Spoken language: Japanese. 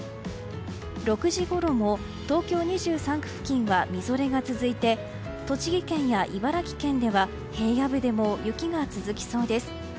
６時ごろも東京２３区付近はみぞれが続いて栃木県や茨城県では平野部でも雪が続きそうです。